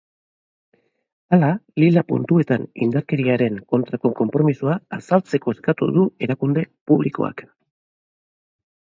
Hala, lila puntuetan indarkerian kontrako konpromisoa azaltzeko eskatu du erakunde publikoak.